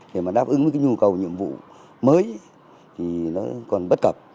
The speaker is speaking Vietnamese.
để mà đáp ứng với cái nhu cầu nhiệm vụ mới thì nó còn bất cập